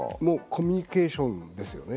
コミュニケーションですね。